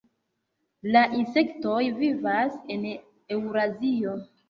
La insektoj vivas en Eŭrazio.